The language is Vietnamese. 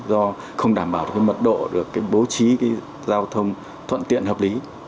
do không đảm bảo được cái mật độ được cái bố trí cái giao thông thuận tiện hợp lý